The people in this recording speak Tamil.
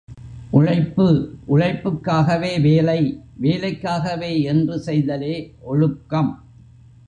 உழைப்பு, உழைப்புக்காகவே வேலை, வேலைக்காகவே என்று செய்தலே ஒழுக்கம்.